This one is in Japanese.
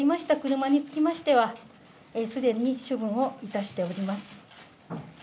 車につきましては、すでに処分をいたしております。